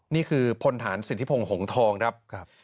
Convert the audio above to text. นี่คือพลฐานสิทธิพงศ์หงทองครับ